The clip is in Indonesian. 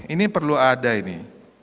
ini perlu ada ini